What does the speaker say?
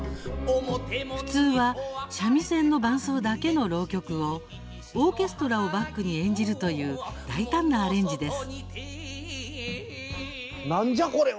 普通は三味線の伴奏だけの浪曲をオーケストラをバックに演じるという大胆なアレンジです。